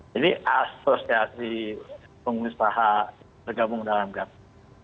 jadi asosiasi pengusaha bergabung dalam gapki